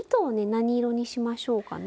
何色にしましょうかね。